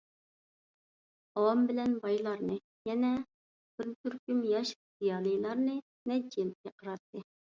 ئاۋام بىلەن بايلارنى، يەنە بىر تۈركۈم ياش زىيالىلارنى نەچچە يىل پىقىراتتى.